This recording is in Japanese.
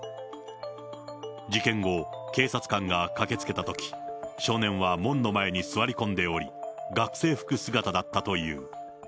事件後、警察官が駆けつけたとき、少年は門の前に座り込んでおり、学生服姿だったという。